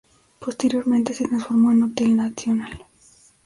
Posteriormente se transformó en "Hotel National".